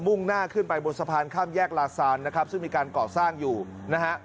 ่งหน้าขึ้นไปบนสะพานข้ามแยกลาซานนะครับซึ่งมีการก่อสร้างอยู่นะฮะ